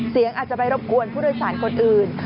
อาจจะไปรบกวนผู้โดยสารคนอื่น